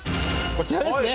こちらですね。